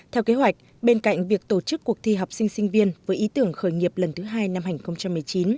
theo kế hoạch bên cạnh việc tổ chức cuộc thi học sinh sinh viên với ý tưởng khởi nghiệp lần thứ hai năm hai nghìn một mươi chín